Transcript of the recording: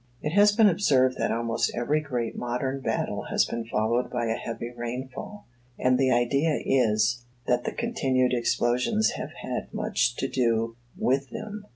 It has been observed that almost every great modern battle has been followed by a heavy rainfall; and the idea is, that the continued explosions have had much to do with them.